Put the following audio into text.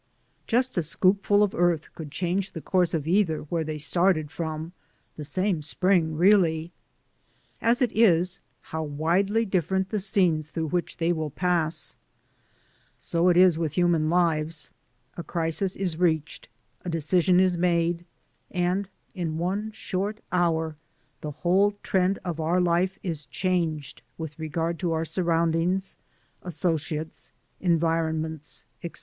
Just a scoopful of earth could change the course of either where they started — from the same spring really. As it is, how widely differ DAYS ON THE ROAD. 169 ent the scenes through which they will pass. So it is with human lives — a crisis is reached, a decision is made, and in one short hour the Avhole trend of our life is changed with regard to our surroundings, associates, environments, etc.